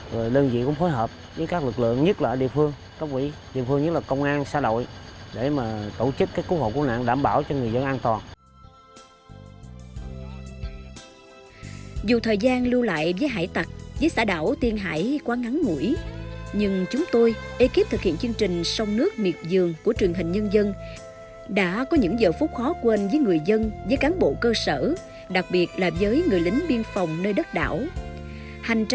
rồi đơn vị cũng phối hợp với các lực lượng nhất là địa phương các quỹ địa phương nhất là công an xã đội để mà tổ chức cái cứu hộ cứu nạn đảm bảo cho người dân an toàn